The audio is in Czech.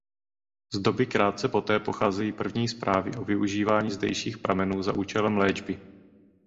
Z doby krátce poté pocházejí první zprávy o využívání zdejších pramenů za účelem léčby.